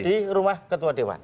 di rumah ketua dewan